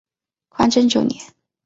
宽政九年。